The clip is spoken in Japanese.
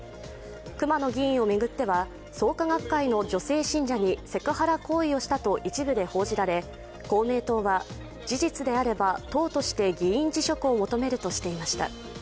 熊野議員を巡っては創価学会の女性信者にセクハラ行為をしたと一部で報じられ公明党は、事実であれば党として議員辞職を求めるとしていました。